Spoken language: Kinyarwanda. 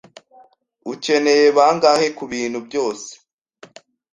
Ukeneye bangahe kubintu byose?